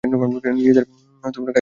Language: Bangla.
নিজেদের কাজের উপর আস্থা নাই?